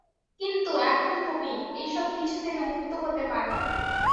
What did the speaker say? কিন্তু, এখন তুমি, এই সব কিছু থেকে মুক্ত হতে পারো।